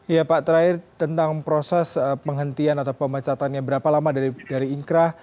ya pak terakhir tentang proses penghentian atau pemecatannya berapa lama dari ingkrah